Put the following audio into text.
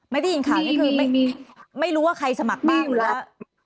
ไม่ได้ยินข่าวนี่คือไม่รู้ว่าใครสมัครบ้าง